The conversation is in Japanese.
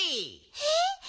えっ？